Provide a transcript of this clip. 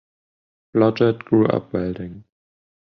Blodgett grew up welding.